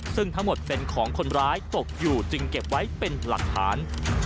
ซึ่งทั้งหมดเป็นของคนร้ายตกอยู่จึงเก็บไว้เป็นหลักฐาน